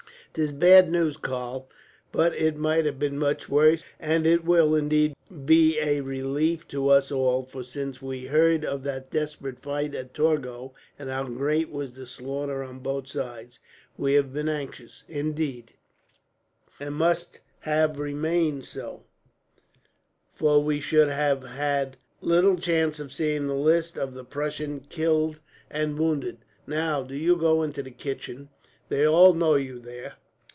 "'Tis bad news, Karl, but it might have been much worse; and it will, indeed, be a relief to us all; for since we heard of that desperate fight at Torgau, and how great was the slaughter on both sides, we have been anxious, indeed; and must have remained so, for we should have had little chance of seeing the list of the Prussian killed and wounded. "Now, do you go into the kitchen. They all know you there.